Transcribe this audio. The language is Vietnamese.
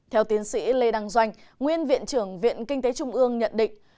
theo tiến sĩ lê đăng doanh nguyên viện trưởng viện kinh tế trung ương nhận định